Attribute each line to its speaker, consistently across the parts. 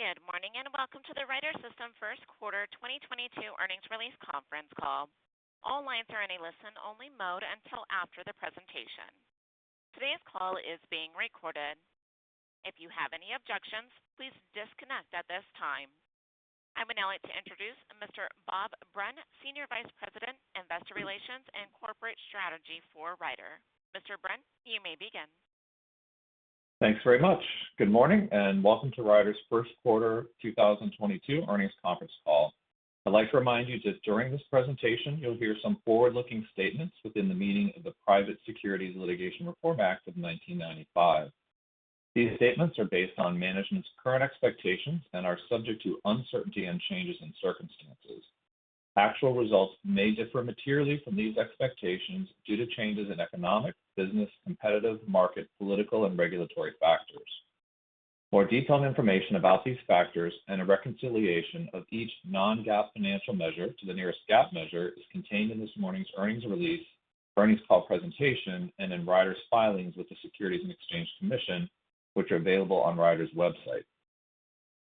Speaker 1: Good morning, and welcome to the Ryder System first quarter 2022 earnings release conference call. All lines are in a listen-only mode until after the presentation. Today's call is being recorded. If you have any objections, please disconnect at this time. I would now like to introduce Mr. Bob Brunn, Senior Vice President, Investor Relations and Corporate Strategy for Ryder. Mr. Brunn, you may begin.
Speaker 2: Thanks very much. Good morning, and welcome to Ryder's first quarter 2022 earnings conference call. I'd like to remind you that during this presentation you'll hear some forward-looking statements within the meaning of the Private Securities Litigation Reform Act of 1995. These statements are based on management's current expectations and are subject to uncertainty and changes in circumstances. Actual results may differ materially from these expectations due to changes in economic, business, competitive, market, political, and regulatory factors. More detailed information about these factors and a reconciliation of each non-GAAP financial measure to the nearest GAAP measure is contained in this morning's earnings release, earnings call presentation, and in Ryder's filings with the Securities and Exchange Commission, which are available on Ryder's website.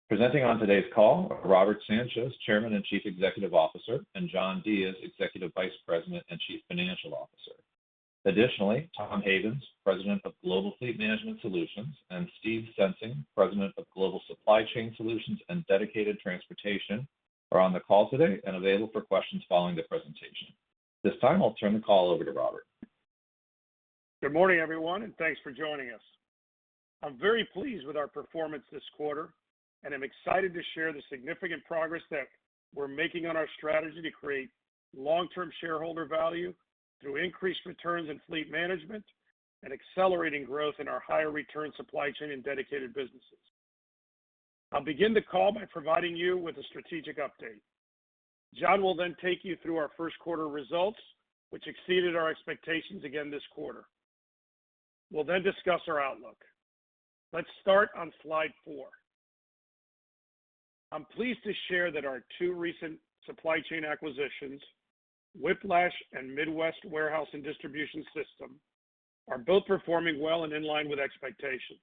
Speaker 2: Presenting on today's call are Robert Sanchez, Chairman and Chief Executive Officer, and John Diez, Executive Vice President and Chief Financial Officer. Additionally, Tom Havens, President of Global Fleet Management Solutions, and Steve Sensing, President of Global Supply Chain Solutions and Dedicated Transportation, are on the call today and available for questions following the presentation. At this time I'll turn the call over to Robert.
Speaker 3: Good morning, everyone, and thanks for joining us. I'm very pleased with our performance this quarter, and I'm excited to share the significant progress that we're making on our strategy to create long-term shareholder value through increased returns in fleet management and accelerating growth in our higher return supply chain and dedicated businesses. I'll begin the call by providing you with a strategic update. John will then take you through our first quarter results, which exceeded our expectations again this quarter. We'll then discuss our outlook. Let's start on slide four. I'm pleased to share that our two recent supply chain acquisitions, Whiplash and Midwest Warehouse & Distribution System, are both performing well and in line with expectations.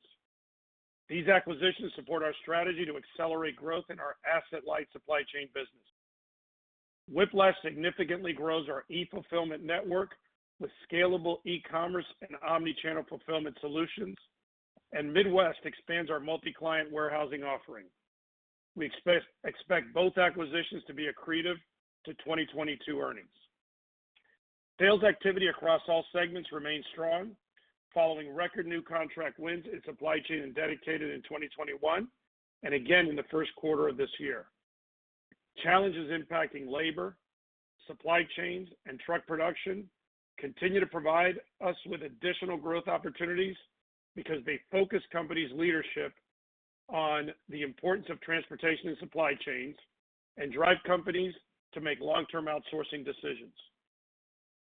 Speaker 3: These acquisitions support our strategy to accelerate growth in our asset-light supply chain business. Whiplash significantly grows our e-fulfillment network with scalable e-commerce and omnichannel fulfillment solutions, and Midwest expands our multi-client warehousing offering. We expect both acquisitions to be accretive to 2022 earnings. Sales activity across all segments remains strong following record new contract wins in supply chain and dedicated in 2021, and again in the first quarter of this year. Challenges impacting labor, supply chains, and truck production continue to provide us with additional growth opportunities because they focus companies' leadership on the importance of transportation and supply chains and drive companies to make long-term outsourcing decisions.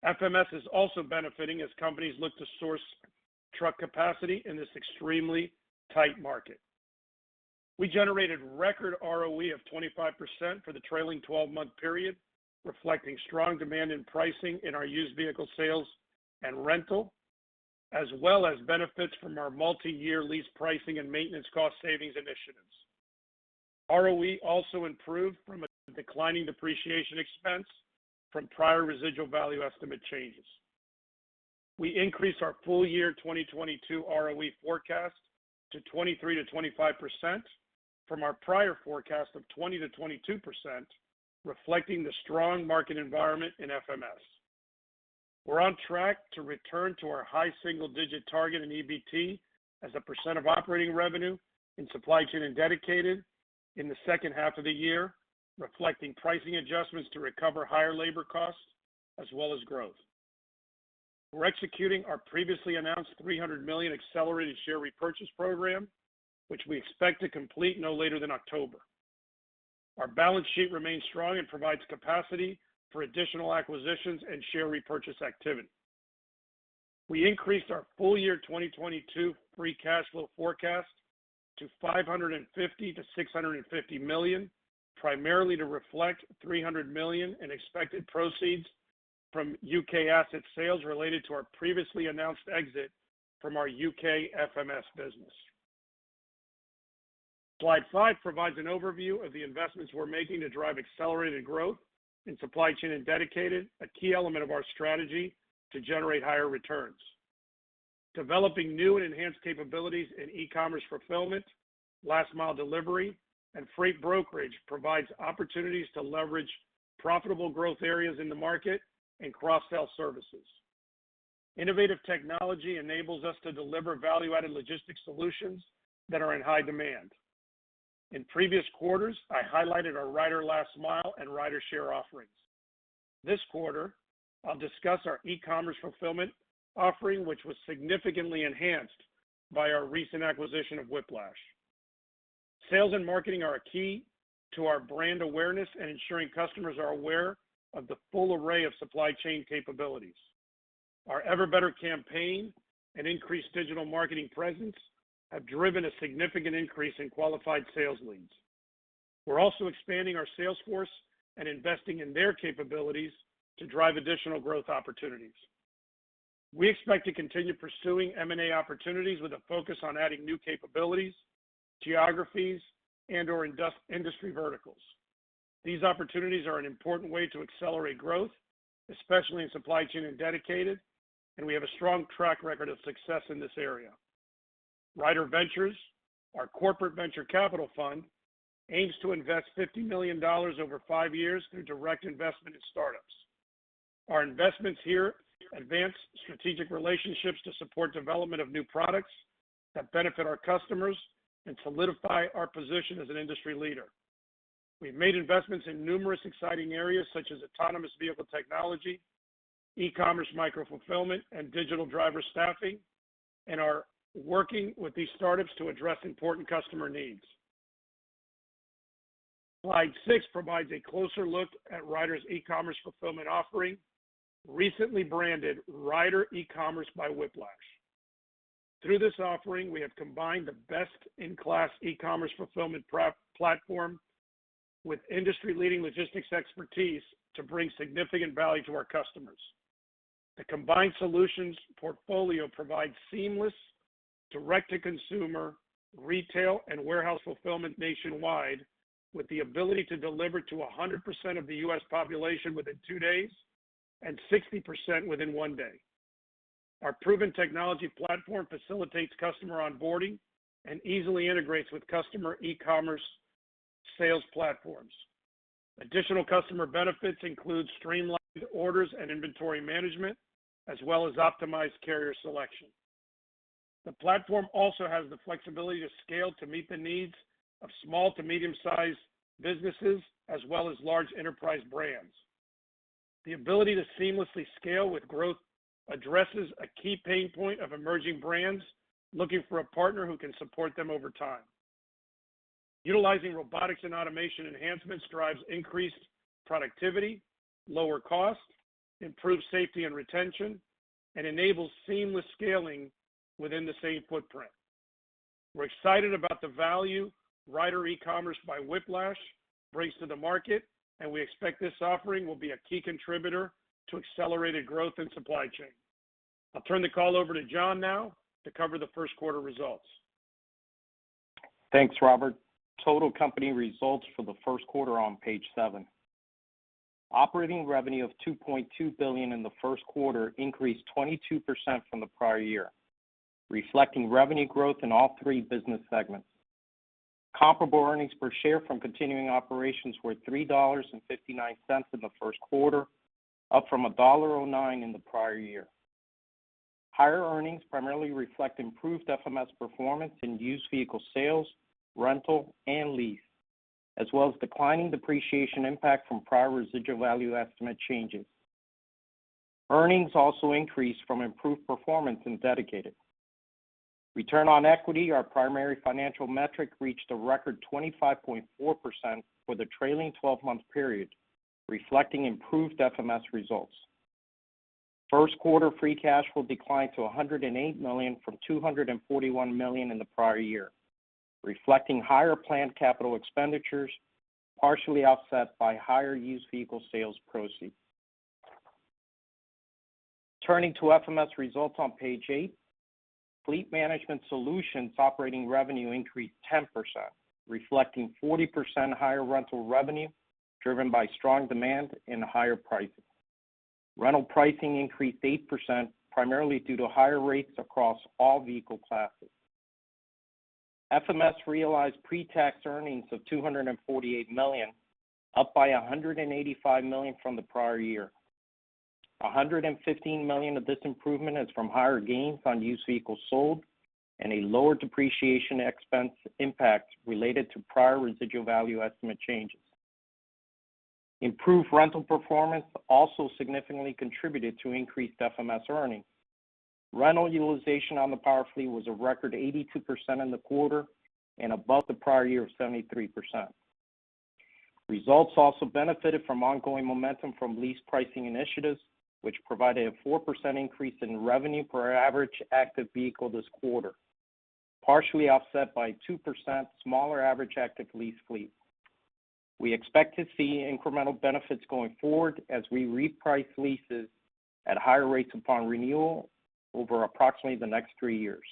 Speaker 3: FMS is also benefiting as companies look to source truck capacity in this extremely tight market. We generated record ROE of 25% for the trailing twelve-month period, reflecting strong demand and pricing in our used vehicle sales and rental, as well as benefits from our multi-year lease pricing and maintenance cost savings initiatives. ROE also improved due to a declining depreciation expense from prior residual value estimate changes. We increased our full year 2022 ROE forecast to 23%-25% from our prior forecast of 20%-22%, reflecting the strong market environment in FMS. We're on track to return to our high single digit target in EBT as a % of operating revenue in Supply Chain and Dedicated in the second half of the year, reflecting pricing adjustments to recover higher labor costs as well as growth. We're executing our previously announced $300 million accelerated share repurchase program, which we expect to complete no later than October. Our balance sheet remains strong and provides capacity for additional acquisitions and share repurchase activity. We increased our full year 2022 free cash flow forecast to $550 million-$650 million, primarily to reflect $300 million in expected proceeds from U.K. asset sales related to our previously announced exit from our U.K. FMS business. Slide 5 provides an overview of the investments we're making to drive accelerated growth in supply chain and dedicated, a key element of our strategy to generate higher returns. Developing new and enhanced capabilities in e-commerce fulfillment, last mile delivery, and freight brokerage provides opportunities to leverage profitable growth areas in the market and cross-sell services. Innovative technology enables us to deliver value-added logistics solutions that are in high demand. In previous quarters, I highlighted our Ryder Last Mile and RyderShare offerings. This quarter, I'll discuss our e-commerce fulfillment offering, which was significantly enhanced by our recent acquisition of Whiplash. Sales and marketing are key to our brand awareness and ensuring customers are aware of the full array of supply chain capabilities. Our Ever Better campaign and increased digital marketing presence have driven a significant increase in qualified sales leads. We're also expanding our sales force and investing in their capabilities to drive additional growth opportunities. We expect to continue pursuing M&A opportunities with a focus on adding new capabilities, geographies, and/or industry verticals. These opportunities are an important way to accelerate growth, especially in supply chain and dedicated, and we have a strong track record of success in this area. Ryder Ventures, our corporate venture capital fund, aims to invest $50 million over five years through direct investment in startups. Our investments here advance strategic relationships to support development of new products that benefit our customers and solidify our position as an industry leader. We've made investments in numerous exciting areas such as autonomous vehicle technology, e-commerce micro fulfillment, and digital driver staffing, and are working with these startups to address important customer needs. Slide 6 provides a closer look at Ryder's e-commerce fulfillment offering, recently branded Ryder E-commerce by Whiplash. Through this offering, we have combined the best-in-class e-commerce fulfillment platform with industry-leading logistics expertise to bring significant value to our customers. The combined solutions portfolio provides seamless direct-to-consumer retail and warehouse fulfillment nationwide, with the ability to deliver to 100% of the U.S. population within two days and 60% within one day. Our proven technology platform facilitates customer onboarding and easily integrates with customer e-commerce sales platforms. Additional customer benefits include streamlined orders and inventory management, as well as optimized carrier selection. The platform also has the flexibility to scale to meet the needs of small to medium-sized businesses as well as large enterprise brands. The ability to seamlessly scale with growth addresses a key pain point of emerging brands looking for a partner who can support them over time. Utilizing robotics and automation enhancements drives increased productivity, lower cost, improved safety and retention, and enables seamless scaling within the same footprint. We're excited about the value Ryder E-commerce by Whiplash brings to the market, and we expect this offering will be a key contributor to accelerated growth in supply chain. I'll turn the call over to John now to cover the first quarter results.
Speaker 4: Thanks, Robert. Total company results for the first quarter on page seven. Operating revenue of $2.2 billion in the first quarter increased 22% from the prior year, reflecting revenue growth in all three business segments. Comparable earnings per share from continuing operations were $3.59 in the first quarter, up from $1.09 in the prior year. Higher earnings primarily reflect improved FMS performance in used vehicle sales, rental, and lease, as well as declining depreciation impact from prior residual value estimate changes. Earnings also increased from improved performance in Dedicated. Return on equity, our primary financial metric, reached a record 25.4% for the trailing twelve-month period, reflecting improved FMS results. First quarter free cash flow declined to $108 million from $241 million in the prior year, reflecting higher planned capital expenditures, partially offset by higher used vehicle sales proceeds. Turning to FMS results on page eight. Fleet Management Solutions operating revenue increased 10%, reflecting 40% higher rental revenue, driven by strong demand and higher pricing. Rental pricing increased 8%, primarily due to higher rates across all vehicle classes. FMS realized pre-tax earnings of $248 million, up by $185 million from the prior year. $115 million of this improvement is from higher gains on used vehicles sold and a lower depreciation expense impact related to prior residual value estimate changes. Improved rental performance also significantly contributed to increased FMS earnings. Rental utilization on the power fleet was a record 82% in the quarter and above the prior year of 73%. Results also benefited from ongoing momentum from lease pricing initiatives, which provided a 4% increase in revenue per average active vehicle this quarter, partially offset by 2% smaller average active lease fleet. We expect to see incremental benefits going forward as we reprice leases at higher rates upon renewal over approximately the next three years.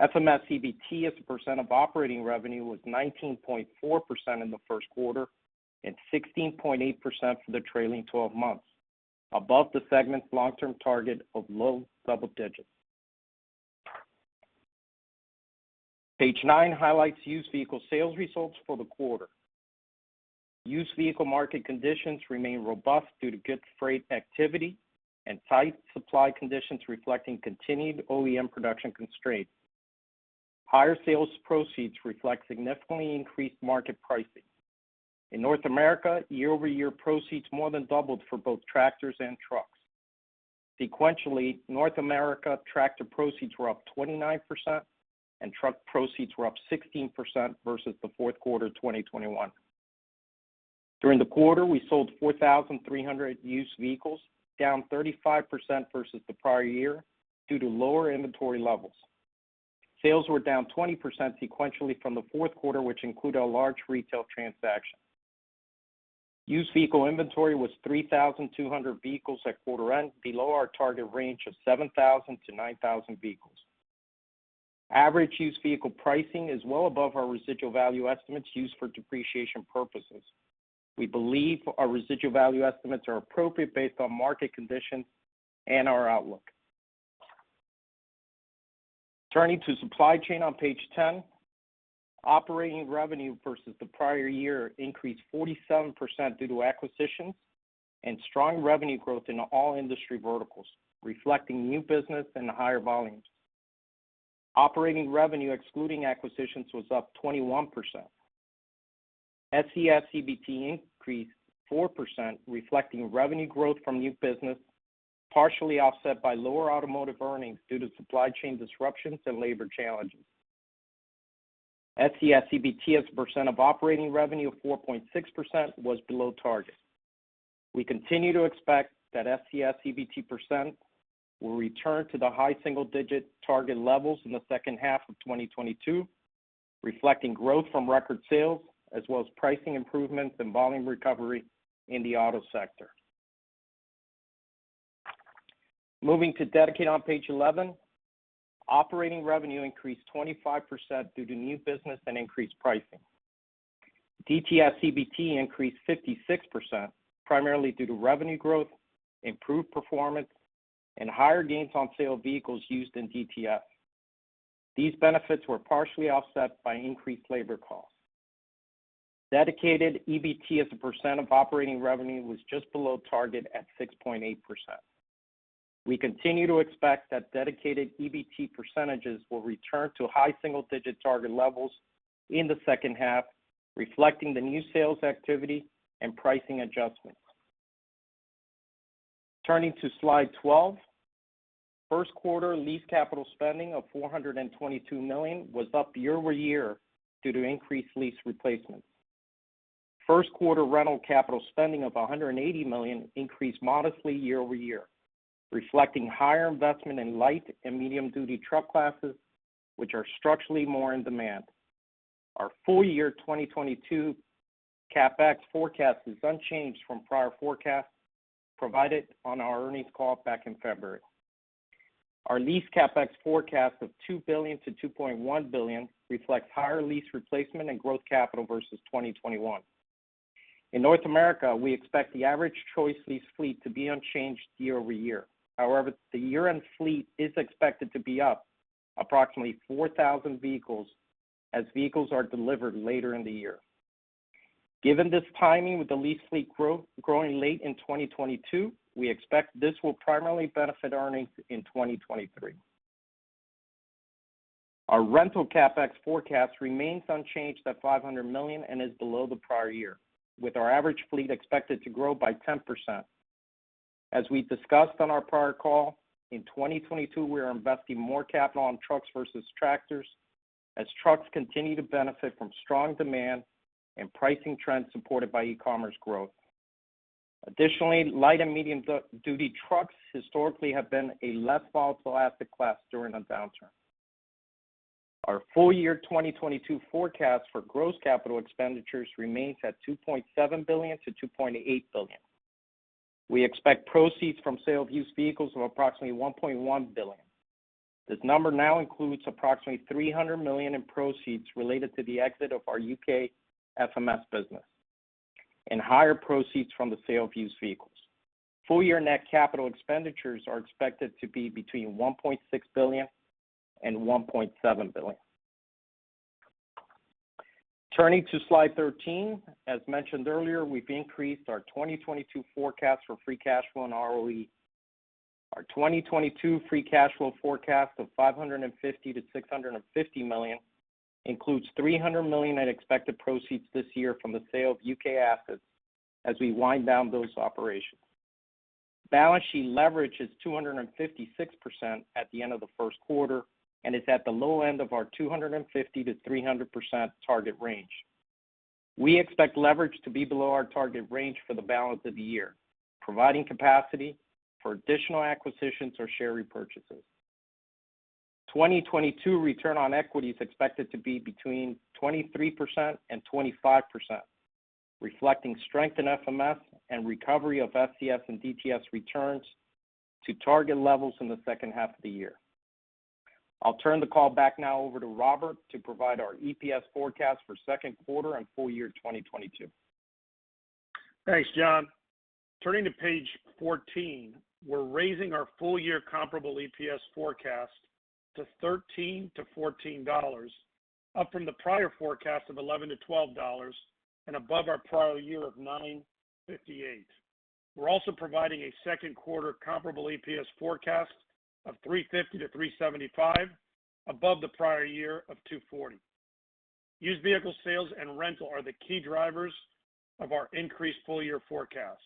Speaker 4: FMS EBT as a percent of operating revenue was 19.4% in the first quarter and 16.8% for the trailing twelve months, above the segment's long-term target of low double digits. Page nine highlights used vehicle sales results for the quarter. Used vehicle market conditions remain robust due to good freight activity and tight supply conditions reflecting continued OEM production constraints. Higher sales proceeds reflect significantly increased market pricing. In North America, year-over-year proceeds more than doubled for both tractors and trucks. Sequentially, North America tractor proceeds were up 29% and truck proceeds were up 16% versus the fourth quarter of 2021. During the quarter, we sold 4,300 used vehicles, down 35% versus the prior year due to lower inventory levels. Sales were down 20% sequentially from the fourth quarter, which included a large retail transaction. Used vehicle inventory was 3,200 vehicles at quarter end, below our target range of 7,000-9,000 vehicles. Average used vehicle pricing is well above our residual value estimates used for depreciation purposes. We believe our residual value estimates are appropriate based on market conditions and our outlook. Turning to supply chain on page ten. Operating revenue versus the prior year increased 47% due to acquisitions and strong revenue growth in all industry verticals, reflecting new business and higher volumes. Operating revenue excluding acquisitions was up 21%. SCS EBT increased 4%, reflecting revenue growth from new business, partially offset by lower automotive earnings due to supply chain disruptions and labor challenges. SCS EBT as a percent of operating revenue of 4.6% was below target. We continue to expect that SCS EBT percent will return to the high single-digit target levels in the second half of 2022, reflecting growth from record sales as well as pricing improvements and volume recovery in the auto sector. Moving to Dedicated on page 11. Operating revenue increased 25% due to new business and increased pricing. DTS EBT increased 56%, primarily due to revenue growth, improved performance, and higher gains on sale of vehicles used in DTS. These benefits were partially offset by increased labor costs. Dedicated EBT as a percent of operating revenue was just below target at 6.8%. We continue to expect that dedicated EBT percentages will return to high single-digit target levels in the second half, reflecting the new sales activity and pricing adjustments. Turning to slide 12. First quarter lease capital spending of $422 million was up year-over-year due to increased lease replacements. First quarter rental capital spending of $180 million increased modestly year-over-year, reflecting higher investment in light and medium-duty truck classes, which are structurally more in demand. Our full year 2022 CapEx forecast is unchanged from prior forecasts provided on our earnings call back in February. Our lease CapEx forecast of $2 billion-$2.1 billion reflects higher lease replacement and growth capital versus 2021. In North America, we expect the average Choice lease fleet to be unchanged year-over-year. However, the year-end fleet is expected to be up approximately 4,000 vehicles as vehicles are delivered later in the year. Given this timing with the lease fleet growing late in 2022, we expect this will primarily benefit earnings in 2023. Our rental CapEx forecast remains unchanged at $500 million and is below the prior year, with our average fleet expected to grow by 10%. As we discussed on our prior call, in 2022, we are investing more capital on trucks versus tractors as trucks continue to benefit from strong demand and pricing trends supported by e-commerce growth. Additionally, light and medium duty trucks historically have been a less volatile asset class during a downturn. Our full year 2022 forecast for gross capital expenditures remains at $2.7 billion-$2.8 billion. We expect proceeds from sale of used vehicles of approximately $1.1 billion. This number now includes approximately $300 million in proceeds related to the exit of our UK FMS business and higher proceeds from the sale of used vehicles. Full year net capital expenditures are expected to be between $1.6 billion and $1.7 billion. Turning to slide 13. As mentioned earlier, we've increased our 2022 forecast for free cash flow and ROE. Our 2022 free cash flow forecast of $550 million-$650 million includes $300 million in expected proceeds this year from the sale of U.K. assets as we wind down those operations. Balance sheet leverage is 256% at the end of the first quarter and is at the low end of our 250%-300% target range. We expect leverage to be below our target range for the balance of the year, providing capacity for additional acquisitions or share repurchases. 2022 return on equity is expected to be between 23% and 25%, reflecting strength in FMS and recovery of SCS and DTS returns to target levels in the second half of the year. I'll turn the call back now over to Robert to provide our EPS forecast for second quarter and full year 2022.
Speaker 3: Thanks, John. Turning to page 14. We're raising our full-year comparable EPS forecast to $13-$14, up from the prior forecast of $11-$12 and above our prior year of $9.58. We're also providing a second-quarter comparable EPS forecast of $3.50-$3.75 above the prior year of $2.40. Used vehicle sales and rental are the key drivers of our increased full-year forecast.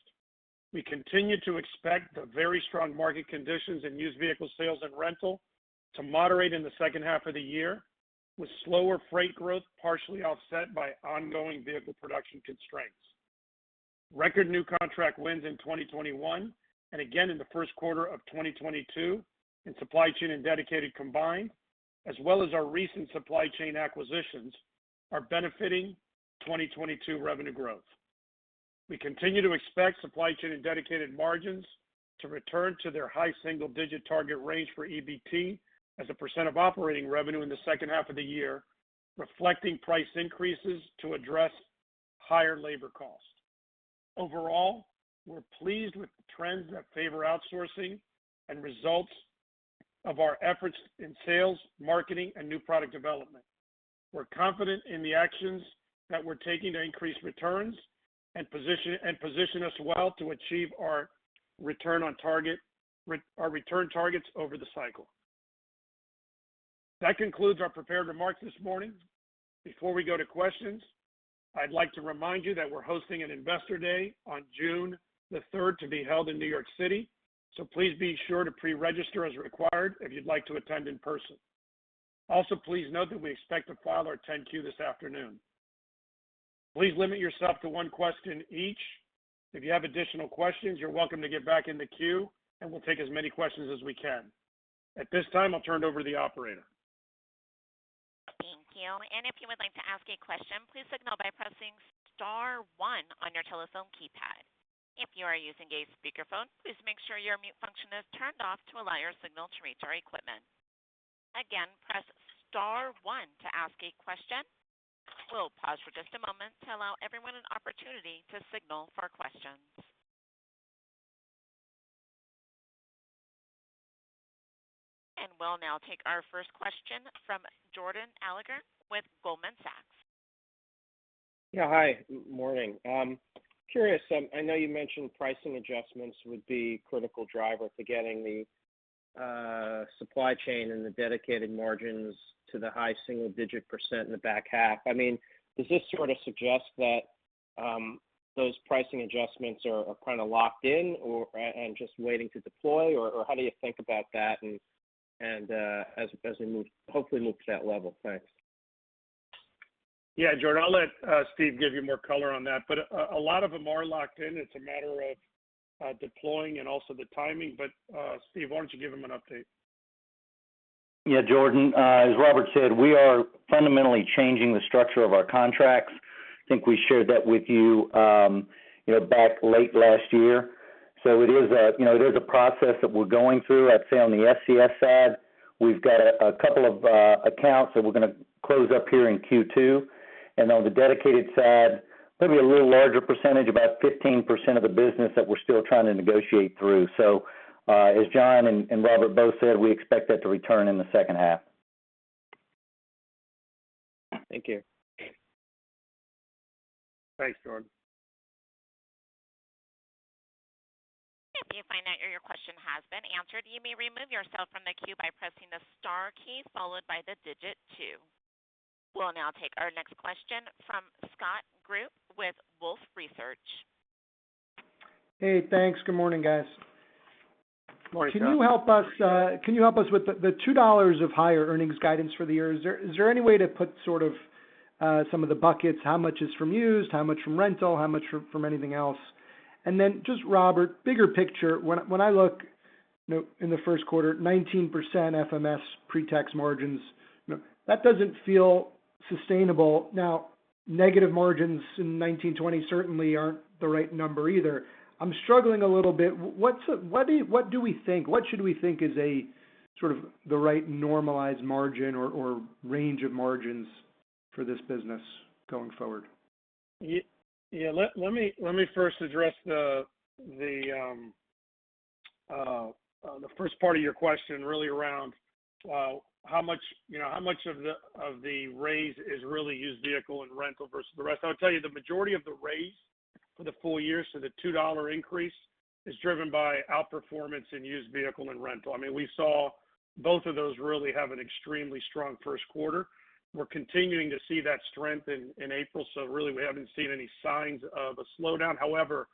Speaker 3: We continue to expect the very strong market conditions in used vehicle sales and rental to moderate in the second half of the year, with slower freight growth partially offset by ongoing vehicle production constraints. Record new contract wins in 2021 and again in the first quarter of 2022 in supply chain and dedicated combined. As well as our recent supply chain acquisitions are benefiting 2022 revenue growth. We continue to expect supply chain and dedicated margins to return to their high single digit target range for EBT as a percent of operating revenue in the second half of the year, reflecting price increases to address higher labor costs. Overall, we're pleased with the trends that favor outsourcing and results of our efforts in sales, marketing, and new product development. We're confident in the actions that we're taking to increase returns and position us well to achieve our return targets over the cycle. That concludes our prepared remarks this morning. Before we go to questions, I'd like to remind you that we're hosting an Investor Day on June 3rd, to be held in New York City. Please be sure to pre-register as required if you'd like to attend in person. Also, please note that we expect to file our 10-Q this afternoon. Please limit yourself to one question each. If you have additional questions, you're welcome to get back in the queue, and we'll take as many questions as we can. At this time, I'll turn it over to the operator.
Speaker 1: Thank you. If you would like to ask a question, please signal by pressing star one on your telephone keypad. If you are using a speakerphone, please make sure your mute function is turned off to allow your signal to reach our equipment. Again, press star one to ask a question. We'll pause for just a moment to allow everyone an opportunity to signal for questions. We'll now take our first question from Jordan Alliger with Goldman Sachs.
Speaker 5: Yeah, hi. Morning. Curious, I know you mentioned pricing adjustments would be critical driver for getting the supply chain and the dedicated margins to the high single-digit % in the back half. I mean, does this sort of suggest that those pricing adjustments are kind of locked in or just waiting to deploy, or how do you think about that and as we hopefully move to that level? Thanks.
Speaker 3: Yeah, Jordan, I'll let Steve give you more color on that, but a lot of them are locked in. It's a matter of deploying and also the timing. Steve, why don't you give him an update?
Speaker 6: Yeah, Jordan, as Robert said, we are fundamentally changing the structure of our contracts. I think we shared that with you know, back late last year. It is, you know, there's a process that we're going through. I'd say on the SCS side, we've got a couple of accounts that we're gonna close up here in Q2. On the dedicated side, maybe a little larger percentage, about 15% of the business that we're still trying to negotiate through. As John and Robert both said, we expect that to return in the second half.
Speaker 5: Thank you.
Speaker 3: Thanks, Jordan.
Speaker 1: If you find that your question has been answered, you may remove yourself from the queue by pressing the star key followed by the digit two. We'll now take our next question from Scott Group with Wolfe Research.
Speaker 7: Hey, thanks. Good morning, guys.
Speaker 3: Morning, Scott.
Speaker 7: Can you help us with the $2 of higher earnings guidance for the year? Is there any way to put sort of some of the buckets, how much is from used, how much from rental, how much from anything else? Then just Robert, bigger picture, when I look, you know, in the first quarter, 19% FMS pre-tax margins, you know, that doesn't feel sustainable. Now, negative margins in 2019-2020 certainly aren't the right number either. I'm struggling a little bit. What do we think? What should we think is a sort of the right normalized margin or range of margins for this business going forward?
Speaker 3: Yeah, let me first address the first part of your question really around how much, you know, how much of the raise is really used vehicle and rental versus the rest. I'll tell you the majority of the raise for the full year, so the $2 increase is driven by outperformance in used vehicle and rental. I mean, we saw both of those really have an extremely strong first quarter. We're continuing to see that strength in April. So really we haven't seen any signs of a slowdown. However,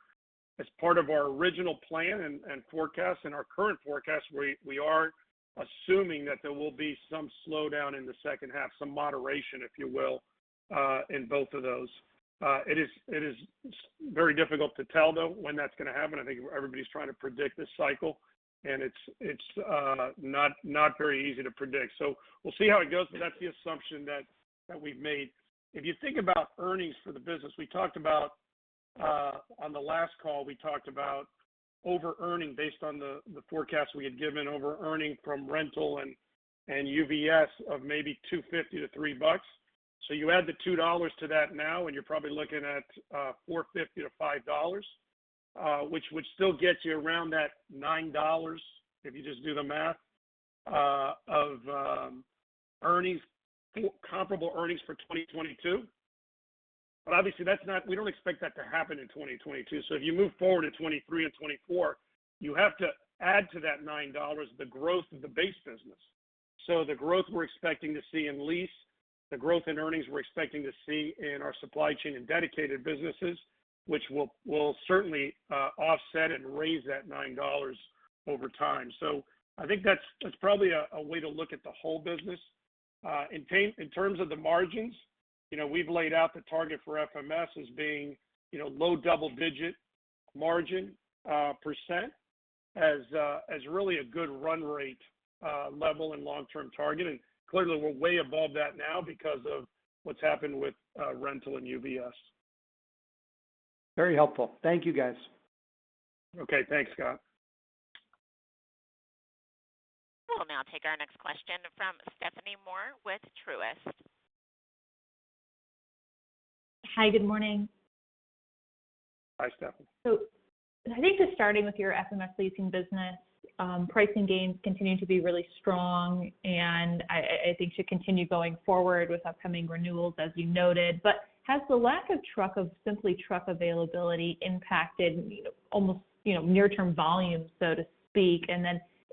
Speaker 3: as part of our original plan and forecast and our current forecast, we are assuming that there will be some slowdown in the second half, some moderation, if you will, in both of those. It is very difficult to tell though when that's gonna happen. I think everybody's trying to predict this cycle, and it's not very easy to predict. We'll see how it goes, but that's the assumption that we've made. If you think about earnings for the business, we talked about on the last call, we talked about over-earning based on the forecast we had given, over-earning from rental and UVS of maybe $2.50-$3.00. You add the $2 to that now, and you're probably looking at $4.50-$5.00, which would still get you around that $9 if you just do the math of earnings, comparable earnings for 2022. Obviously that's not. We don't expect that to happen in 2022. If you move forward to 2023 and 2024, you have to add to that $9 the growth of the base business. The growth we're expecting to see in lease, the growth in earnings we're expecting to see in our supply chain and dedicated businesses, which will certainly offset and raise that $9 over time. I think that's probably a way to look at the whole business. In terms of the margins, you know, we've laid out the target for FMS as being, you know, low double-digit margin %. As as really a good run rate level and long-term target. Clearly, we're way above that now because of what's happened with rental and UVS.
Speaker 7: Very helpful. Thank you, guys.
Speaker 3: Okay. Thanks, Scott.
Speaker 1: We'll now take our next question from Stephanie Moore with Truist.
Speaker 8: Hi. Good morning.
Speaker 3: Hi, Stephanie.
Speaker 8: I think just starting with your FMS leasing business, pricing gains continue to be really strong, and I think should continue going forward with upcoming renewals, as you noted. Has the lack of, simply, truck availability impacted at all, you know, near-term volume, so to speak?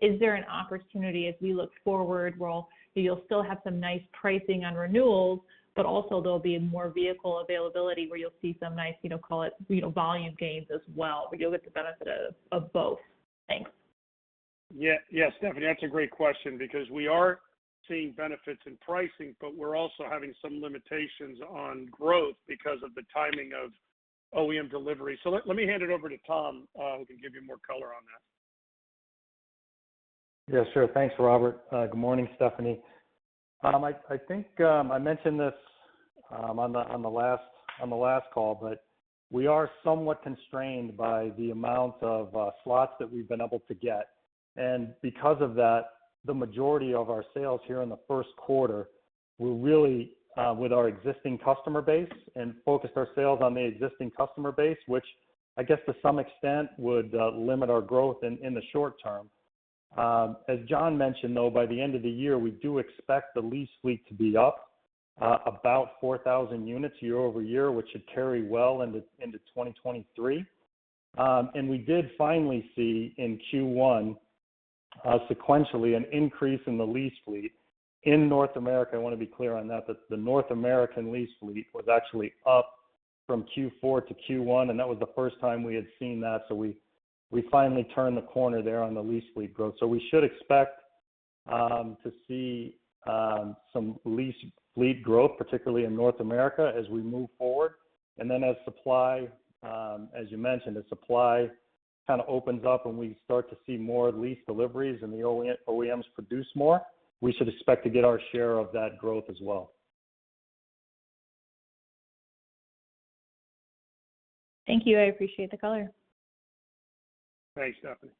Speaker 8: Is there an opportunity as we look forward where you'll still have some nice pricing on renewals, but also there'll be more vehicle availability where you'll see some nice, you know, call it, you know, volume gains as well, where you'll get the benefit of both? Thanks.
Speaker 3: Yeah, Stephanie, that's a great question because we are seeing benefits in pricing, but we're also having some limitations on growth because of the timing of OEM delivery. Let me hand it over to Tom, who can give you more color on that.
Speaker 9: Yeah, sure. Thanks, Robert. Good morning, Stephanie. I think I mentioned this on the last call, but we are somewhat constrained by the amount of slots that we've been able to get. Because of that, the majority of our sales here in the first quarter were really with our existing customer base and focused our sales on the existing customer base, which I guess to some extent would limit our growth in the short term. As John mentioned, though, by the end of the year, we do expect the lease fleet to be up about 4,000 units year-over-year, which should carry well into 2023. We did finally see in Q1 sequentially an increase in the lease fleet in North America. I want to be clear on that, but the North American lease fleet was actually up from Q4 to Q1, and that was the first time we had seen that. We finally turned the corner there on the lease fleet growth. We should expect to see some lease fleet growth, particularly in North America as we move forward. Then as supply, as you mentioned, as supply kind of opens up and we start to see more lease deliveries and the OEMs produce more, we should expect to get our share of that growth as well.
Speaker 8: Thank you. I appreciate the color.
Speaker 3: Thanks, Stephanie.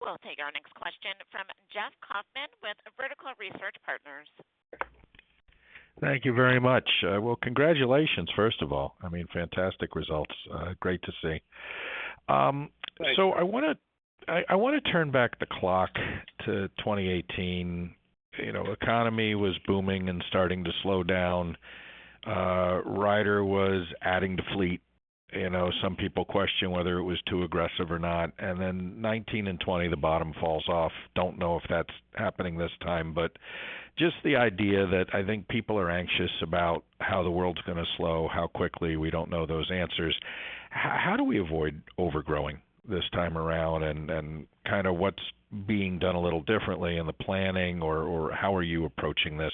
Speaker 1: We'll take our next question from Jeffrey Kauffman with Vertical Research Partners.
Speaker 10: Thank you very much. Well, congratulations, first of all. I mean, fantastic results. Great to see.
Speaker 3: Thanks.
Speaker 10: I want to turn back the clock to 2018. You know, economy was booming and starting to slow down. Ryder was adding to fleet. You know, some people question whether it was too aggressive or not. Then 2019 and 2020, the bottom falls off. Don't know if that's happening this time. Just the idea that I think people are anxious about how the world's going to slow, how quickly, we don't know those answers. How do we avoid overgrowing this time around and kind of what's being done a little differently in the planning or how are you approaching this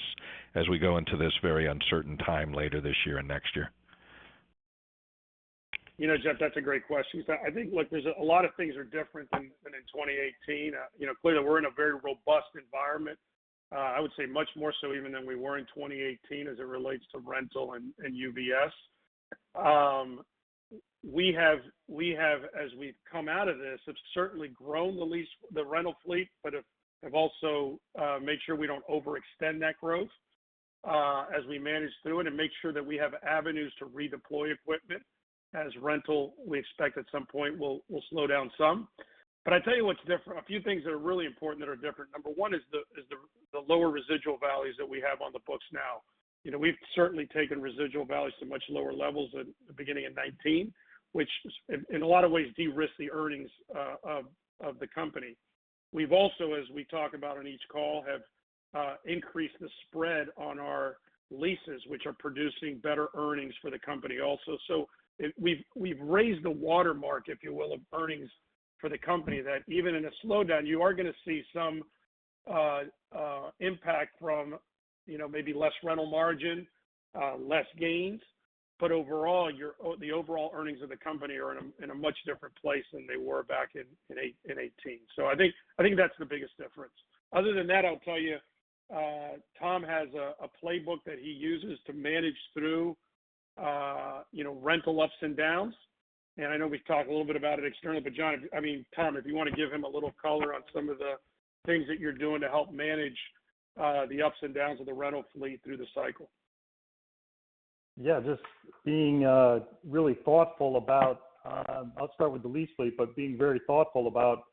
Speaker 10: as we go into this very uncertain time later this year and next year?
Speaker 3: You know, Jeff, that's a great question because I think, look, there's a lot of things are different than in 2018. You know, clearly, we're in a very robust environment. I would say much more so even than we were in 2018 as it relates to rental and UVS. We have, as we've come out of this, certainly grown the rental fleet, but have also made sure we don't overextend that growth as we manage through it and make sure that we have avenues to redeploy equipment as rental we expect at some point will slow down some. I tell you what's different, a few things that are really important that are different. Number one is the lower residual values that we have on the books now. You know, we've certainly taken residual values to much lower levels at the beginning of 2019, which in a lot of ways de-risk the earnings of the company. We've also, as we talk about on each call, have increased the spread on our leases, which are producing better earnings for the company also. We've raised the watermark, if you will, of earnings for the company that even in a slowdown, you are going to see some impact from, you know, maybe less rental margin, less gains. But overall, the overall earnings of the company are in a much different place than they were back in 2018. I think that's the biggest difference. Other than that, I'll tell you, Tom has a playbook that he uses to manage through, you know, rental ups and downs. I know we've talked a little bit about it externally, but John, I mean, Tom, if you want to give him a little color on some of the things that you're doing to help manage, the ups and downs of the rental fleet through the cycle.
Speaker 9: Yeah. I'll start with the lease fleet, but being very thoughtful about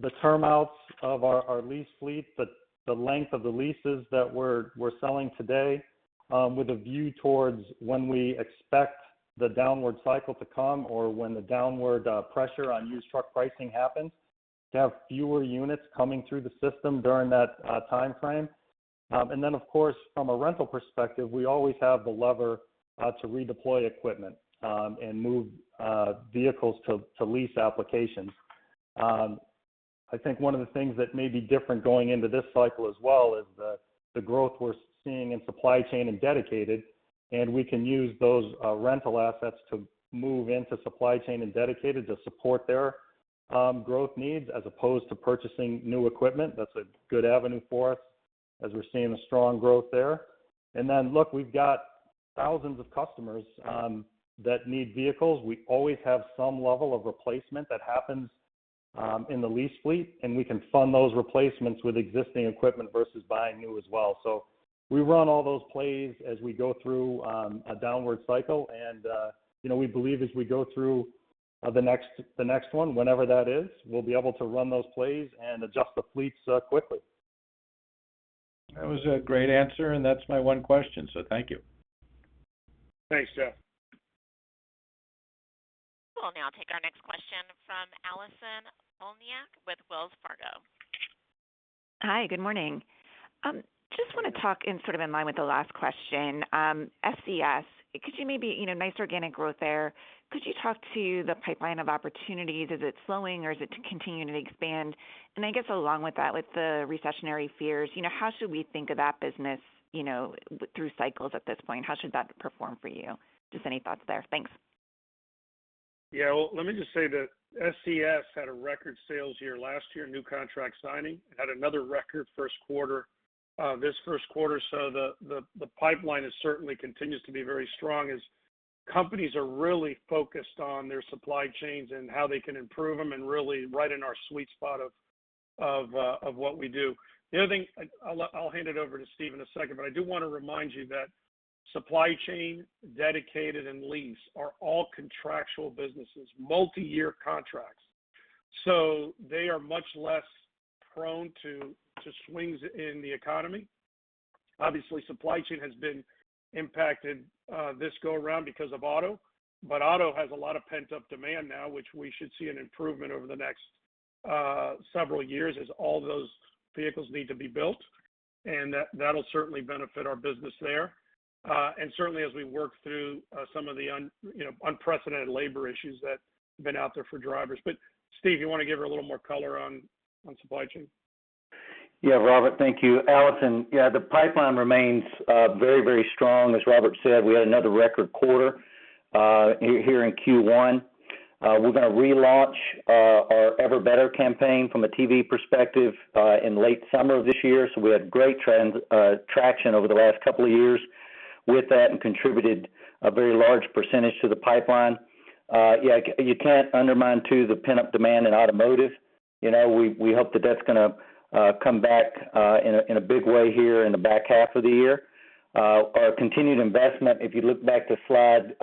Speaker 9: the term outs of our lease fleet, the length of the leases that we're selling today, with a view towards when we expect the downward cycle to come or when the downward pressure on used truck pricing happens, to have fewer units coming through the system during that time frame. Of course, from a rental perspective, we always have the lever to redeploy equipment and move vehicles to lease applications.
Speaker 3: I think one of the things that may be different going into this cycle as well is the growth we're seeing in supply chain and dedicated, and we can use those rental assets to move into supply chain and dedicated to support their growth needs as opposed to purchasing new equipment. That's a good avenue for us as we're seeing the strong growth there. Look, we've got thousands of customers that need vehicles. We always have some level of replacement that happens in the lease fleet, and we can fund those replacements with existing equipment versus buying new as well. We run all those plays as we go through a downward cycle. You know, we believe as we go through the next one, whenever that is, we'll be able to run those plays and adjust the fleets quickly.
Speaker 10: That was a great answer, and that's my one question, so thank you.
Speaker 3: Thanks, Jeff.
Speaker 1: We'll now take our next question from Allison Poliniak with Wells Fargo.
Speaker 11: Hi, good morning. Just want to talk in sort of in line with the last question. SCS, could you maybe, you know, nice organic growth there. Could you talk to the pipeline of opportunities? Is it slowing, or is it continuing to expand? I guess along with that, with the recessionary fears, you know, how should we think of that business, you know, through cycles at this point? How should that perform for you? Just any thoughts there. Thanks.
Speaker 3: Yeah. Well, let me just say that SCS had a record sales year last year, new contract signing, had another record first quarter, this first quarter. The pipeline is certainly continues to be very strong as companies are really focused on their supply chains and how they can improve them and really right in our sweet spot of what we do. The other thing. I'll hand it over to Steve in a second, but I do want to remind you that supply chain, dedicated, and lease are all contractual businesses, multi-year contracts. They are much less prone to swings in the economy. Obviously, supply chain has been impacted this go around because of auto, but auto has a lot of pent-up demand now, which we should see an improvement over the next several years as all those vehicles need to be built. That'll certainly benefit our business there. Certainly as we work through some of the, you know, unprecedented labor issues that have been out there for drivers. Steve, you want to give her a little more color on supply chain?
Speaker 6: Yeah, Robert. Thank you, Allison. Yeah, the pipeline remains very strong. As Robert said, we had another record quarter here in Q1. We're going to relaunch our Ever Better campaign from a TV perspective in late summer of this year. We had great traction over the last couple of years with that and contributed a very large percentage to the pipeline. Yeah, you can't underestimate the pent-up demand in automotive. You know, we hope that that's gonna come back in a big way here in the back half of the year. Our continued investment, if you look back to slide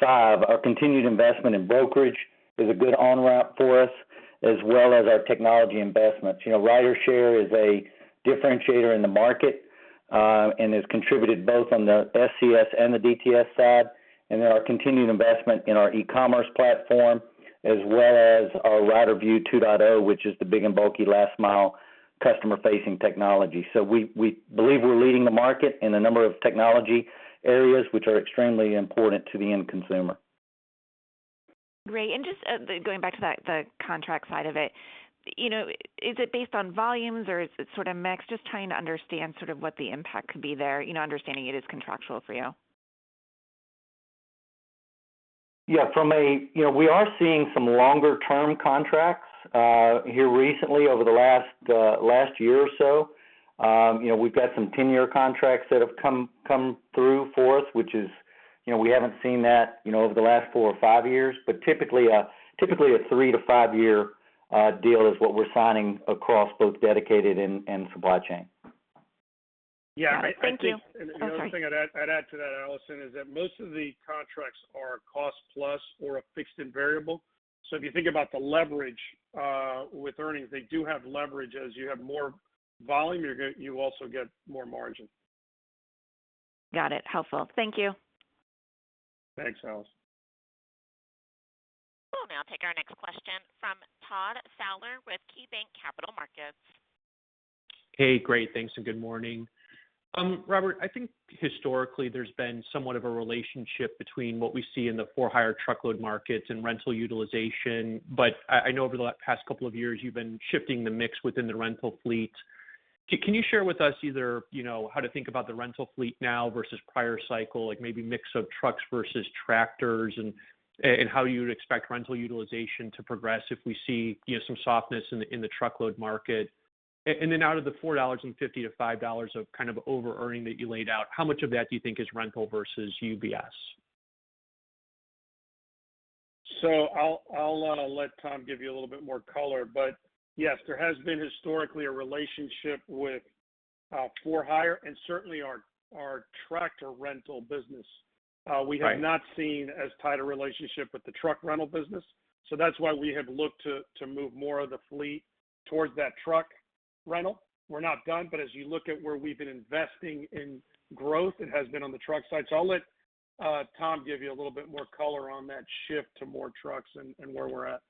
Speaker 6: five, in brokerage is a good on-ramp for us, as well as our technology investments. You know, RyderShare is a differentiator in the market, and has contributed both on the SCS and the DTS side, and then our continued investment in our e-commerce platform, as well as our RyderView 2.0, which is the big and bulky last mile customer-facing technology. We believe we're leading the market in a number of technology areas which are extremely important to the end consumer.
Speaker 11: Great. Just going back to that, the contract side of it, you know, is it based on volumes or is it sort of mix? Just trying to understand sort of what the impact could be there, you know, understanding it is contractual for you.
Speaker 6: Yeah. You know, we are seeing some longer-term contracts here recently over the last year or so. You know, we've got some 10-year contracts that have come through for us, which is, you know, we haven't seen that over the last 4 or 5 years. Typically a three to five year deal is what we're signing across both dedicated and supply chain.
Speaker 11: Yeah. Thank you.
Speaker 3: I think.
Speaker 11: Oh, sorry.
Speaker 3: I'd add to that, Allison, is that most of the contracts are cost-plus or fixed and variable. If you think about the leverage with earnings, they do have leverage. As you have more volume, you also get more margin.
Speaker 11: Got it. Helpful. Thank you.
Speaker 3: Thanks, Allison.
Speaker 1: We'll now take our next question from Todd Fowler with KeyBanc Capital Markets.
Speaker 12: Hey, great. Thanks, and good morning. Robert, I think historically there's been somewhat of a relationship between what we see in the for-hire truckload markets and rental utilization. But I know over the last couple of years, you've been shifting the mix within the rental fleet. Can you share with us either, you know, how to think about the rental fleet now versus prior cycle, like maybe mix of trucks versus tractors and how you would expect rental utilization to progress if we see, you know, some softness in the, in the truckload market? And then out of the $4.50-$5 of kind of overearning that you laid out, how much of that do you think is rental versus UVS?
Speaker 3: I'll let Tom give you a little bit more color. Yes, there has been historically a relationship with for-hire and certainly our tractor rental business.
Speaker 12: Right
Speaker 3: Not seen as tight a relationship with the truck rental business. That's why we have looked to move more of the fleet towards that truck rental. We're not done, but as you look at where we've been investing in growth, it has been on the truck side. I'll let Tom give you a little bit more color on that shift to more trucks and where we're at.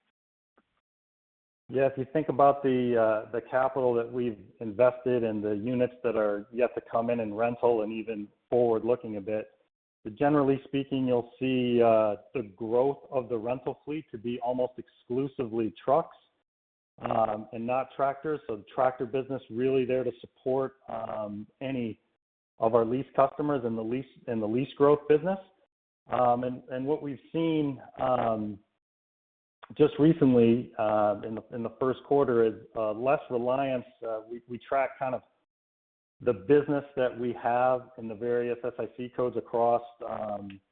Speaker 9: Yeah. If you think about the capital that we've invested and the units that are yet to come in rental and even forward looking a bit. Generally speaking, you'll see the growth of the rental fleet to be almost exclusively trucks and not tractors. The tractor business really there to support any of our lease customers in the lease growth business. What we've seen just recently in the first quarter is less reliance. We track kind of the business that we have in the various SIC codes across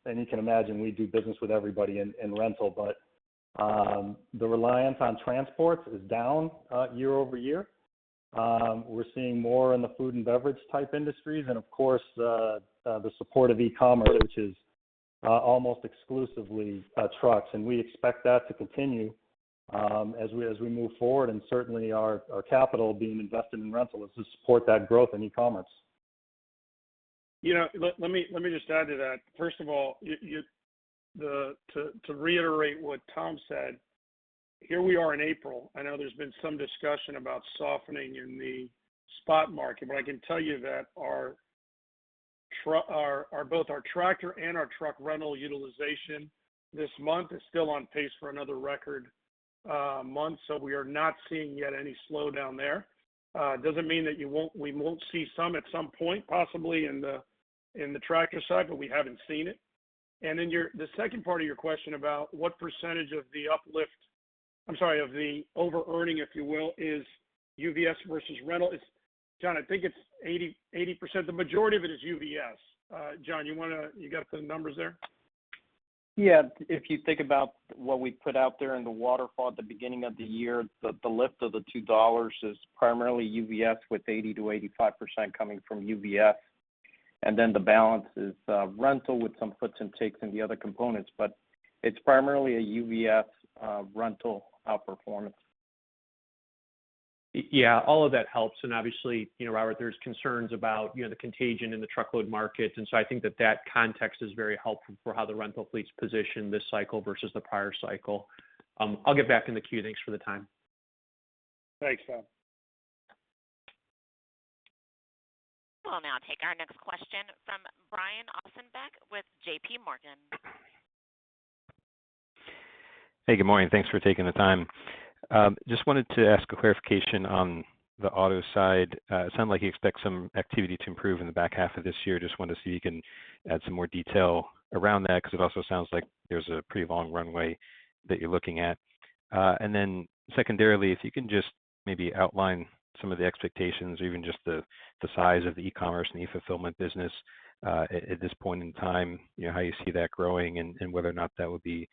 Speaker 9: and you can imagine we do business with everybody in rental. The reliance on transports is down year-over-year. We're seeing more in the food and beverage type industries and of course the support of e-commerce, which is almost exclusively trucks. We expect that to continue as we move forward. Certainly our capital being invested in rental is to support that growth in e-commerce.
Speaker 3: You know, let me just add to that. First of all, to reiterate what Tom said, here we are in April. I know there's been some discussion about softening in the spot market, but I can tell you that both our tractor and our truck rental utilization this month is still on pace for another record month. We are not seeing yet any slowdown there. It doesn't mean that we won't see some at some point, possibly in the tractor side, but we haven't seen it. Then the second part of your question about what percentage of the uplift, I'm sorry, of the overearning, if you will, is UVS versus rental, it's John, I think it's 80%. The majority of it is UVS. John, you got the numbers there?
Speaker 4: Yeah. If you think about what we put out there in the waterfall at the beginning of the year, the lift of the $2 is primarily UVS, with 80%-85% coming from UVS. The balance is rental with some puts and takes in the other components, but it's primarily a UVS rental outperformance.
Speaker 12: Yeah, all of that helps. Obviously, you know, Robert, there's concerns about, you know, the contagion in the truckload markets. I think that context is very helpful for how the rental fleet is positioned this cycle versus the prior cycle. I'll get back in the queue. Thanks for the time.
Speaker 3: Thanks, Tom.
Speaker 1: We'll now take our next question from Brian Ossenbeck with J.P. Morgan.
Speaker 13: Hey, good morning. Thanks for taking the time. Just wanted to ask a clarification on the auto side. It sounded like you expect some activity to improve in the back half of this year. Just wanted to see if you can add some more detail around that because it also sounds like there's a pretty long runway that you're looking at. And then secondarily, if you can just maybe outline some of the expectations or even just the size of the e-commerce and e-fulfillment business, at this point in time, you know, how you see that growing, and whether or not that would be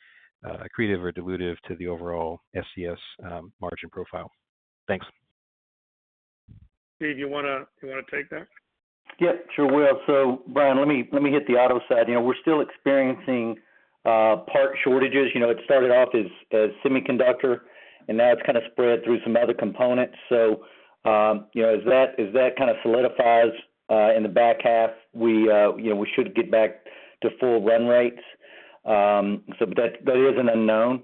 Speaker 13: accretive or dilutive to the overall SCS margin profile. Thanks.
Speaker 3: Steve, you wanna take that?
Speaker 6: Yeah, sure will. Brian, let me hit the auto side. You know, we're still experiencing part shortages. You know, it started off as semiconductors, and now it's kind of spread through some other components. You know, as that kind of solidifies in the back half, we should get back to full run rates. That is an unknown.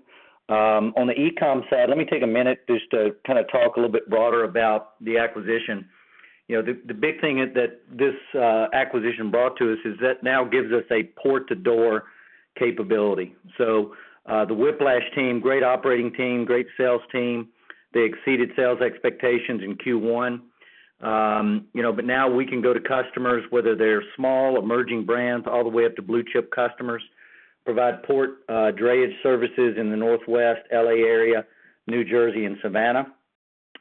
Speaker 6: On the e-com side, let me take a minute just to kind of talk a little bit broader about the acquisition. You know, the big thing is that this acquisition brought to us is that now gives us a port-to-door capability. The Whiplash team, great operating team, great sales team. They exceeded sales expectations in Q1. You know, now we can go to customers, whether they're small, emerging brands, all the way up to blue-chip customers, provide port drayage services in the Northwest L.A. area, New Jersey, and Savannah.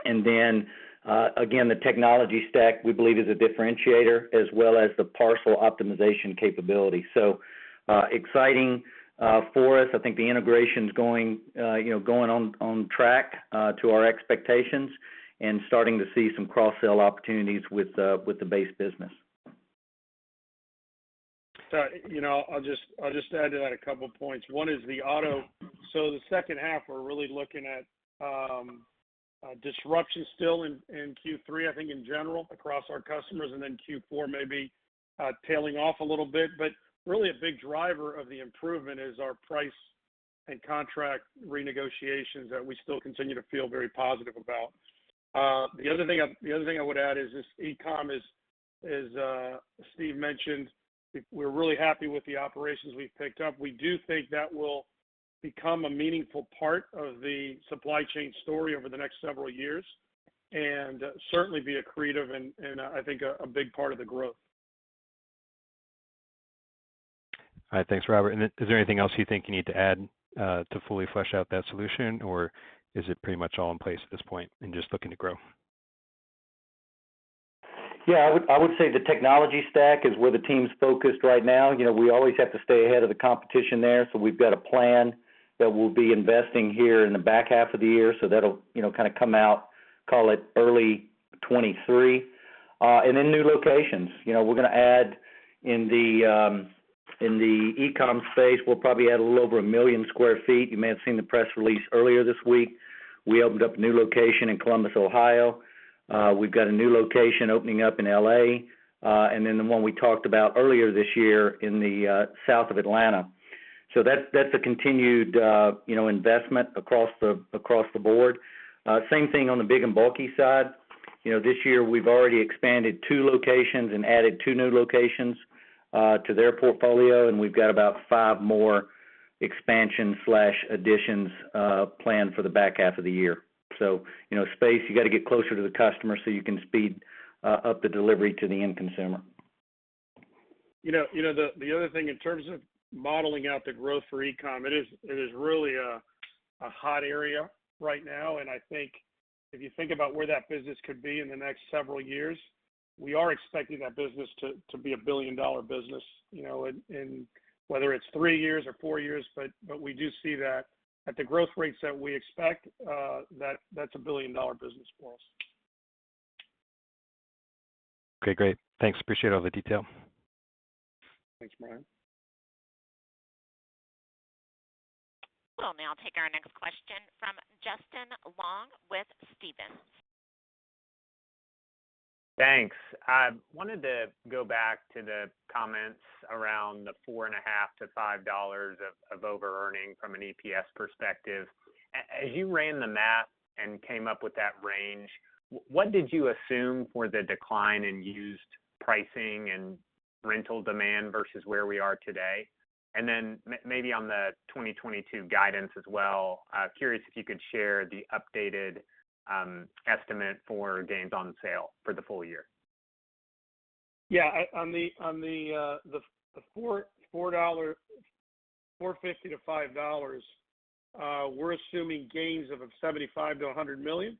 Speaker 6: Then, again, the technology stack, we believe, is a differentiator, as well as the parcel optimization capability. Exciting for us. I think the integration's going, you know, on track to our expectations and starting to see some cross-sell opportunities with the base business.
Speaker 3: You know, I'll just add to that a couple points. One is the auto. The second half, we're really looking at disruption still in Q3, I think in general, across our customers, and then Q4 maybe tailing off a little bit. Really a big driver of the improvement is our price and contract renegotiations that we still continue to feel very positive about. The other thing I would add is this e-com is Steve mentioned, we're really happy with the operations we've picked up. We do think that will become a meaningful part of the supply chain story over the next several years and certainly be accretive and I think a big part of the growth.
Speaker 13: All right. Thanks, Robert. Is there anything else you think you need to add to fully flesh out that solution, or is it pretty much all in place at this point and just looking to grow?
Speaker 6: Yeah, I would say the technology stack is where the team's focused right now. You know, we always have to stay ahead of the competition there. We've got a plan that we'll be investing here in the back half of the year. That'll, you know, kind of come out, call it early 2023. New locations. You know, we're gonna add in the e-com space, we'll probably add a little over 1 million sq ft. You may have seen the press release earlier this week. We opened up a new location in Columbus, Ohio. We've got a new location opening up in L.A., and then the one we talked about earlier this year in the south of Atlanta. That's a continued, you know, investment across the board. Same thing on the big and bulky side. You know, this year we've already expanded two locations and added two new locations to their portfolio, and we've got about five more expansion/additions planned for the back half of the year. You know, space, you got to get closer to the customer so you can speed up the delivery to the end consumer.
Speaker 3: You know, the other thing in terms of modeling out the growth for e-com, it is really a hot area right now. I think if you think about where that business could be in the next several years, we are expecting that business to be a billion-dollar business, you know, in whether it's three years or four years. We do see that. At the growth rates that we expect, that's a billion-dollar business for us.
Speaker 1: Okay, great. Thanks. Appreciate all the detail.
Speaker 3: Thanks, Brian Ossenbeck.
Speaker 1: We'll now take our next question from Justin Long with Stephens.
Speaker 14: Thanks. I wanted to go back to the comments around the $4.5-$5 of overearning from an EPS perspective. As you ran the math and came up with that range, what did you assume for the decline in used pricing and rental demand versus where we are today? Maybe on the 2022 guidance as well, curious if you could share the updated estimate for gains on sale for the full year.
Speaker 3: Yeah. On the $4.50-$5, we're assuming gains of $75 million-$100 million.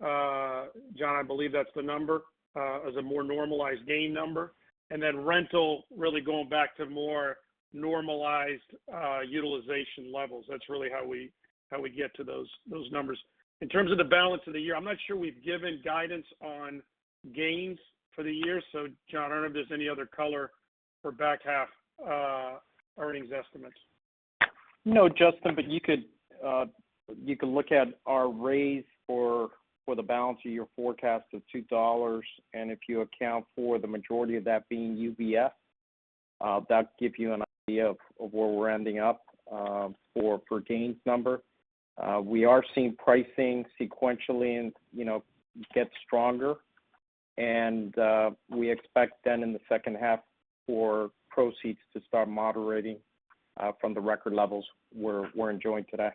Speaker 3: John, I believe that's the number as a more normalized gain number. Rental really going back to more normalized utilization levels. That's really how we get to those numbers. In terms of the balance of the year, I'm not sure we've given guidance on gains for the year. John, I don't know if there's any other color for back half earnings estimates.
Speaker 4: No, Justin, but you could look at our raise for the balance of your forecast of $2. If you account for the majority of that being UVF, that'd give you an idea of where we're ending up for gains number. We are seeing pricing sequentially and, you know, get stronger. We expect then in the second half for proceeds to start moderating from the record levels we're enjoying today.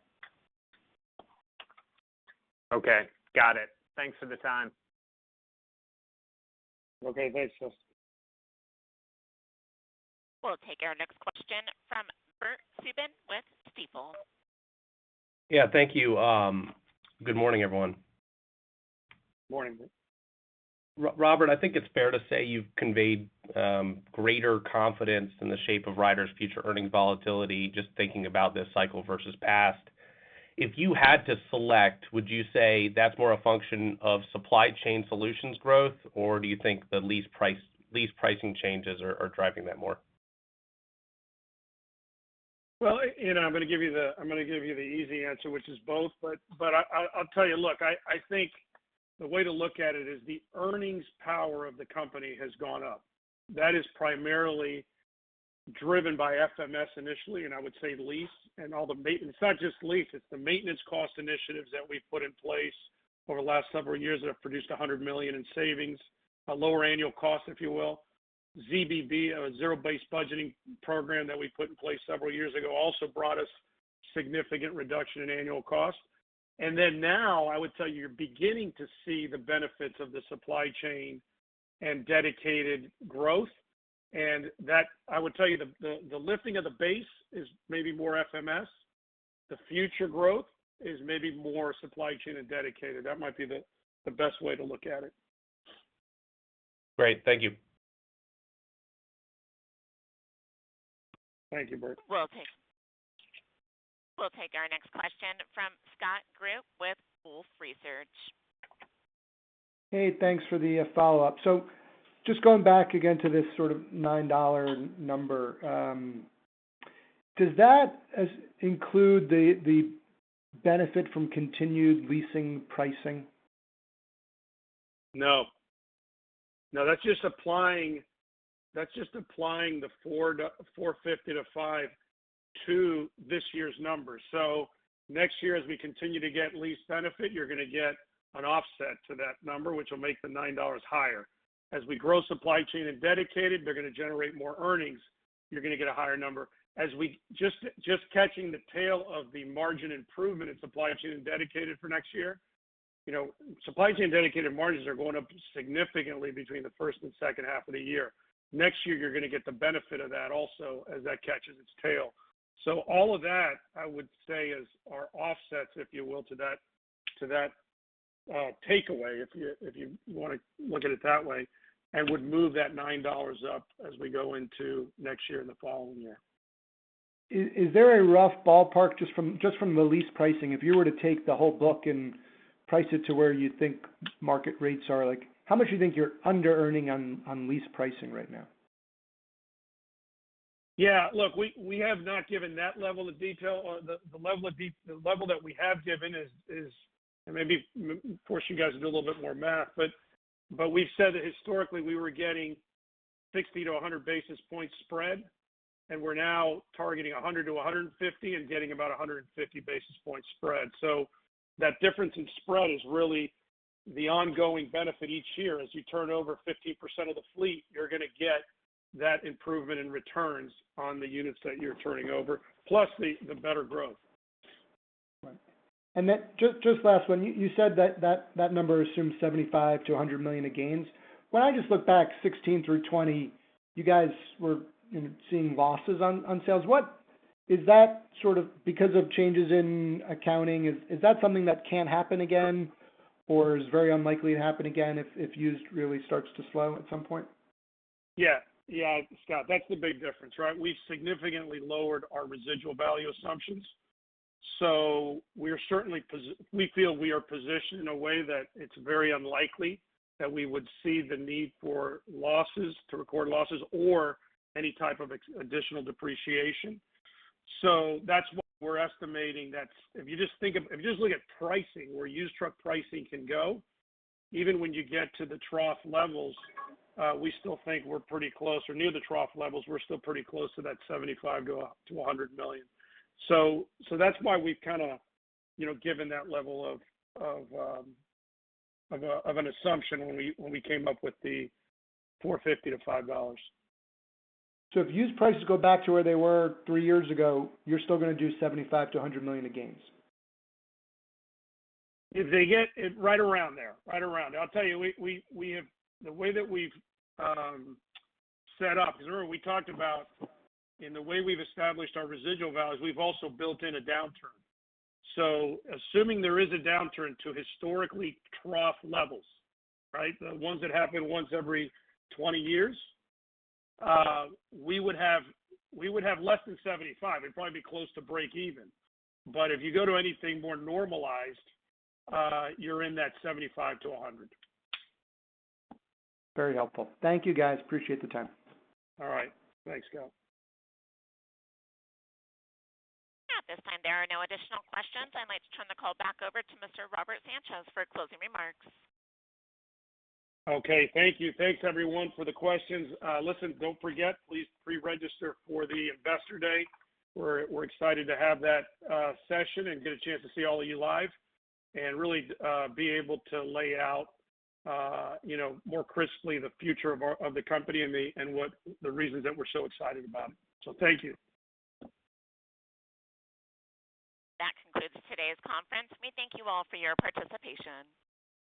Speaker 14: Okay. Got it. Thanks for the time.
Speaker 4: Okay. Thanks, Justin.
Speaker 1: We'll take our next question from Bert Subin with Stifel.
Speaker 15: Yeah, thank you. Good morning, everyone.
Speaker 3: Morning, Bert.
Speaker 15: Robert, I think it's fair to say you've conveyed greater confidence in the shape of Ryder's future earnings volatility, just thinking about this cycle versus past. If you had to select, would you say that's more a function of supply chain solutions growth, or do you think the lease price, lease pricing changes are driving that more?
Speaker 3: Well, you know, I'm going to give you the easy answer, which is both. But I'll tell you, look, I think the way to look at it is the earnings power of the company has gone up. That is primarily driven by FMS initially, and I would say it's not just lease, it's the maintenance cost initiatives that we put in place over the last several years that have produced $100 million in savings, a lower annual cost, if you will. ZBB, our zero-based budgeting program that we put in place several years ago, also brought us significant reduction in annual cost. Then now I would tell you're beginning to see the benefits of the supply chain and dedicated growth. That, I would tell you, the lifting of the base is maybe more FMS. The future growth is maybe more supply chain and dedicated. That might be the best way to look at it.
Speaker 15: Great. Thank you.
Speaker 3: Thank you, Bert.
Speaker 1: We'll take our next question from Scott Group with Wolfe Research.
Speaker 7: Hey, thanks for the follow-up. Just going back again to this sort of $9 number, does that include the benefit from continued leasing pricing?
Speaker 3: No, that's just applying the $4.50-$5 to this year's number. Next year, as we continue to get lease benefit, you're going to get an offset to that number, which will make the $9 higher. As we grow supply chain and dedicated, they're going to generate more earnings. You're going to get a higher number. As we're just catching the tail of the margin improvement in supply chain and dedicated for next year. You know, supply chain dedicated margins are going up significantly between the first and second half of the year. Next year, you're going to get the benefit of that also as that catches its tail. All of that, I would say, are offsets, if you will, to that takeaway, if you want to look at it that way, and would move that $9 up as we go into next year and the following year.
Speaker 7: Is there a rough ballpark just from the lease pricing? If you were to take the whole book and price it to where you think market rates are, like, how much do you think you're under-earning on lease pricing right now?
Speaker 3: Yeah. Look, we have not given that level of detail. The level that we have given is maybe force you guys to do a little bit more math, but we've said that historically we were getting 60-100 basis points spread, and we're now targeting 100-150 and getting about 150 basis points spread. That difference in spread is really the ongoing benefit each year. As you turn over 50% of the fleet, you're going to get that improvement in returns on the units that you're turning over, plus the better growth.
Speaker 7: Right. Just last one. You said that number assumes $75 million-$100 million of gains. When I just look back 2016 through 2020, you guys were, you know, seeing losses on sales. What is that sort of because of changes in accounting? Is that something that can happen again or is very unlikely to happen again if UVS really starts to slow at some point?
Speaker 3: Yeah. Yeah, Scott, that's the big difference, right? We've significantly lowered our residual value assumptions. We are certainly we feel we are positioned in a way that it's very unlikely that we would see the need to record losses or any type of additional depreciation. That's why we're estimating that if you just look at pricing, where used truck pricing can go, even when you get to the trough levels, we still think we're pretty close or near the trough levels. We're still pretty close to that $75-$100 million. That's why we've kind of, you know, given that level of an assumption when we came up with the $4.50-$5.
Speaker 7: If used prices go back to where they were three years ago, you're still going to do $75 million-$100 million of gains.
Speaker 3: If they get it right around there. Right around. I'll tell you, we have the way that we've set up, because remember we talked about and the way we've established our residual values, we've also built in a downturn. Assuming there is a downturn to historically trough levels, right? The ones that happen once every 20 years, we would have less than $75 million. It'd probably be close to breakeven. But if you go to anything more normalized, you're in that $75 million-$100 million.
Speaker 7: Very helpful. Thank you, guys. Appreciate the time.
Speaker 3: All right. Thanks, Scott.
Speaker 1: At this time, there are no additional questions. I'd like to turn the call back over to Mr. Robert Sanchez for closing remarks.
Speaker 3: Okay. Thank you. Thanks, everyone, for the questions. Listen, don't forget, please pre-register for the Investor Day. We're excited to have that session and get a chance to see all of you live and really be able to lay out you know, more crisply the future of the company and what the reasons that we're so excited about it. Thank you.
Speaker 1: That concludes today's conference. We thank you all for your participation.